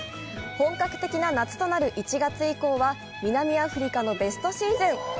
本格的な夏となる１月以降は、南アフリカのベストシーズン。